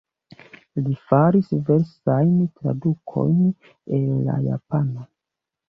Li faris diversajn tradukojn el la japana.